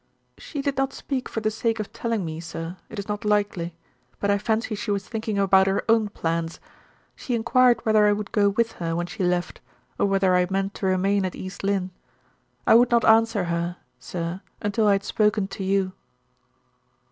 "She did not speak for the sake of telling me, sir, it is not likely; but I fancy she was thinking about her own plans. She inquired whether I would go with her when she left, or whether I meant to remain at East Lynne. I would not answer her, sir, until I had spoken to you."